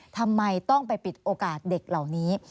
ทำไมต้องไปปิดโอกาสเด็กเหล่านี้